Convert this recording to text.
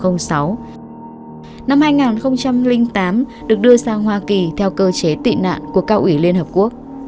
năm hai nghìn tám được đưa sang hoa kỳ theo cơ chế tị nạn của cao ủy liên hợp quốc